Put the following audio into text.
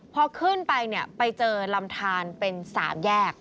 พอขึ้นไปเนี่ยไปเจอลำทานเป็น๓แยก